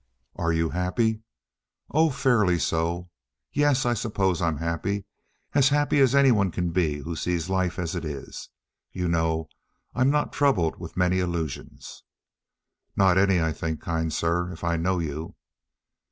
"And are you happy?" "Oh, fairly so. Yes, I suppose I'm happy—as happy as any one can be who sees life as it is. You know I'm not troubled with many illusions." "Not any, I think, kind sir, if I know you."